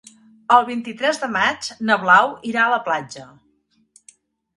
El vint-i-tres de maig na Blau irà a la platja.